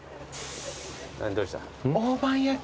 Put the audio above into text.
何どうした？